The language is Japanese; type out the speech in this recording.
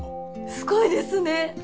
すごいですね！